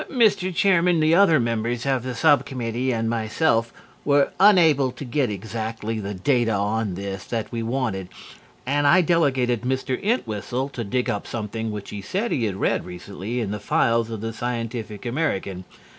"Mr. Chairman, the other members of the sub committee and myself were unable to get exactly the data on this that we wanted and I delegated Mr. Entwhistle to dig up something which he said he had read recently in the files of the _Scientific American.